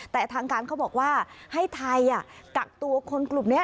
แต่ทางการเขาบอกว่าให้ไทยกักตัวคนกลุ่มนี้